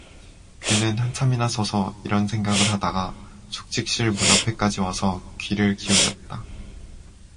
그는 한참이나 서서 이런 생각을 하다가 숙직실 문 앞에까지 와서 귀를 기울였다.